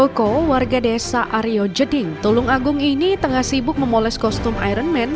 joko warga desa aryo jeding tulung agung ini tengah sibuk memoles kostum iron man